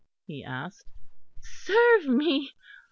he asked. "Serve me?